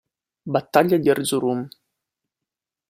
Battaglia di Erzurum